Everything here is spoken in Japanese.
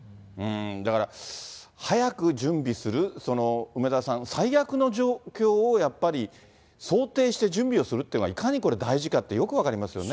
だから、早く準備する、梅沢さん、最悪の状況をやっぱり想定して準備をするっていうのが、いかにこれ、大事かってよく分かりますよね。